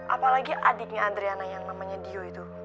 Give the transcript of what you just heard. apalagi adiknya adriana yang namanya dio itu